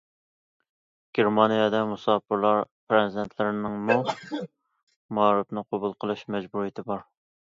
گېرمانىيەدە، مۇساپىرلار پەرزەنتلىرىنىڭمۇ مائارىپنى قوبۇل قىلىش مەجبۇرىيىتى بار.